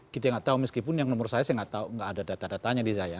kita nggak tahu meskipun yang nomor saya saya nggak tahu nggak ada data datanya di saya